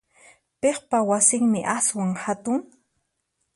Piqpa wasinmi aswan hatun?